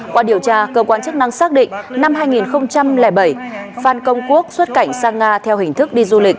qua điều tra cơ quan chức năng xác định năm hai nghìn bảy phan công quốc xuất cảnh sang nga theo hình thức đi du lịch